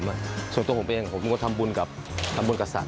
ส่วนตัวผมเป็นอย่างแห่งของผมผมก็ทำบุญกับทำบุญกับสัตว์